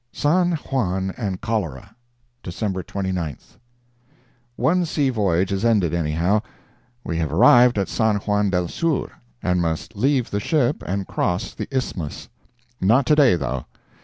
'" SAN JUAN AND CHOLERA DECEMBER 29th.—One sea voyage is ended anyhow. We have arrived at San Juan del Sur, and must leave the ship and cross the Isthmus—not to day, though.